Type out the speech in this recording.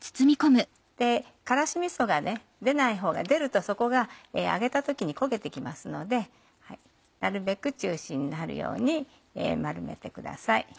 辛子みそが出ないほうが出るとそこが揚げた時に焦げて来ますのでなるべく中心になるように丸めてください。